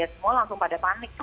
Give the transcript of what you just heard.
jadi kita mau langsung pada panik